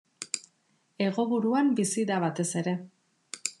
Hego Buruan bizi da batez ere.